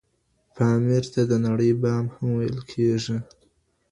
پامیر ته د نړۍ بام هم ویل کیږي.